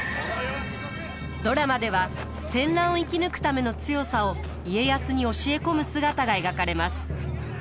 ドラマでは戦乱を生き抜くための強さを家康に教え込む姿が描かれます。